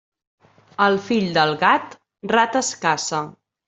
El fill del gat, rates caça.